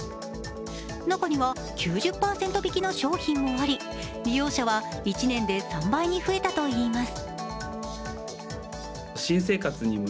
中には９０％引きの商品もあり利用者は１年で３倍に増えたといいます。